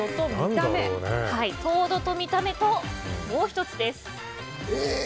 糖度と見た目と、もう１つです。